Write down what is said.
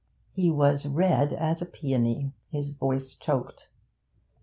He was red as a peony; his voice choked.